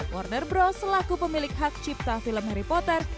warner bros selaku pemilik hak cipta film harry potter